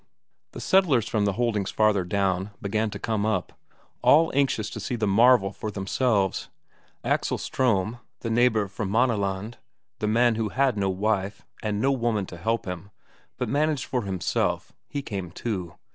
The settlers from the holdings farther down began to come up, all anxious to see the marvel for themselves. Axel Ström, the neighbour from Maaneland, the man who had no wife, and no woman to help him, but managed for himself, he came too.